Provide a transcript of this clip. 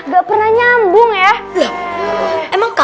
lukman kalau ngomong sama kamu tuh ya